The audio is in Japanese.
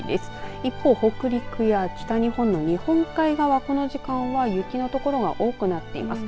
一方、北陸や北日本の日本海側はこの時間は雪の所が多くなっています。